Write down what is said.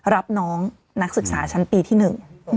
รับน้องนักศึกษาชั้นปีที่หนึ่ง